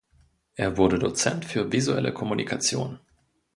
Er wurde Dozent für Visuelle Kommunikation.